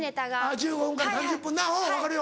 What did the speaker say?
１５分から３０分なうん分かるよ。